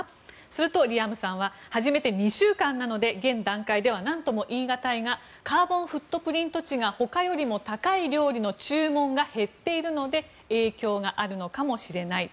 するとリアムさんは初めて２週間なので現段階では何とも言い難いがカーボンフットプリント値が他よりも高い料理の注文が減っているので影響があるのかもしれない。